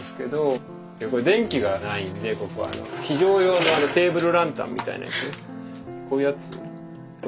電気がないんでここは非常用のテーブルランタンみたいなやつこういうやつ